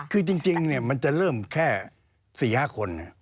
คือจริงมันจะเริ่มแค่๔๕คน